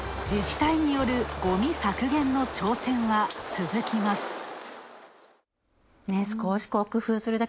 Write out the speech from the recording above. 自治体によるごみ削減の挑戦は続きます。